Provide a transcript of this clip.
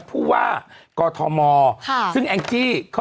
สวัสดีค่ะ